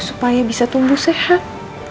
supaya bisa tumbuh sehat